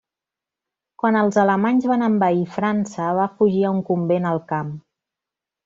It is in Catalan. Quan els alemanys van envair França va fugir a un convent al camp.